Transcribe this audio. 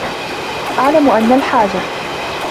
اعْلَمْ أَنَّ الْحَاجَةَ